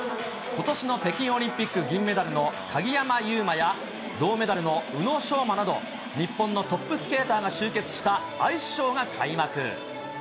ことしの北京オリンピック銀メダルの鍵山優真や銅メダルの宇野昌磨など、日本のトップスケーターが集結したアイスショーが開幕。